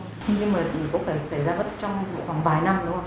nhưng mà cũng phải xảy ra trong khoảng vài năm đúng không